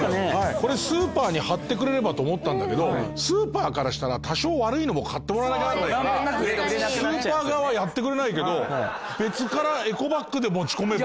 これスーパーに貼ってくれればと思ったんだけどスーパーからしたら多少悪いのも買ってもらわなきゃならないからスーパー側はやってくれないけど別からエコバッグで持ち込めば。